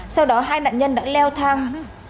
sau đó hai nạn nhân đã leo thang